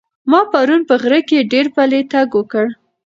ما پرون په غره کې ډېر پلی تګ وکړ.